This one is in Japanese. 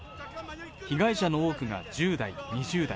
被害者の多くが１０代、２０代。